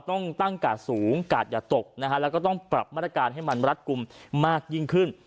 ต้องตั้งกาดสูงกาดอย่าตกนะฮะแล้วก็ต้องปรับมาตรการให้มันรัดกลุ่มมากยิ่งขึ้น